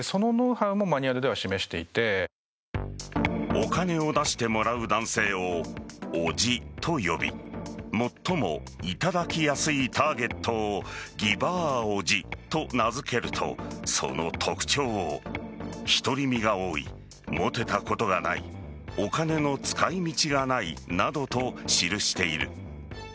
お金を出してもらう男性をおぢと呼び最も頂きやすいターゲットをギバーおぢと名付けるとその特徴を、独り身が多いモテたことがないお金の使い道がないなどと記している。